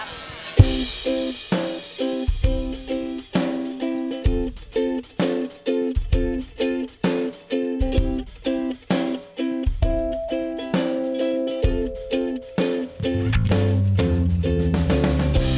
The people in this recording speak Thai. มันก็เป็นความสุขเล็กน้อยของป้าเนาะ